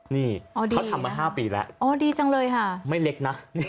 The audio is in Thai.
นี่เขาทำมา๕ปีแล้วอ๋อดีจังเลยค่ะไม่เล็กนะ